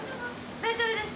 大丈夫です。